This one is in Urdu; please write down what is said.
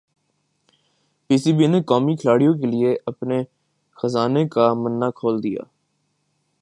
پی سی بی نے قومی کھلاڑیوں کیلئے اپنے خزانے کا منہ کھول دیا